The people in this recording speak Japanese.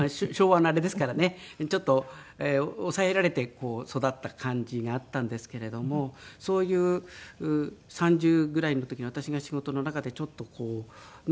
ちょっと抑えられて育った感じがあったんですけれどもそういう３０ぐらいの時に私が仕事の中でちょっとこうね